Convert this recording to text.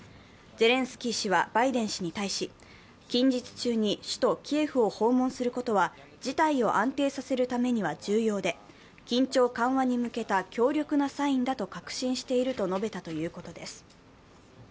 ゼレンスキー氏はバイデン氏に対し近日中に首都キエフを訪問することは事態を安定させるためには重要で緊張緩和に向けた強力なサインだと確信したと述べたということです。